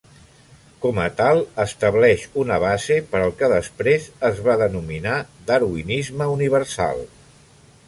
Com a tal, estableix una base per al que després es va denominar darwinisme universal.